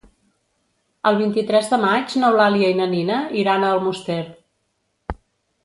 El vint-i-tres de maig n'Eulàlia i na Nina iran a Almoster.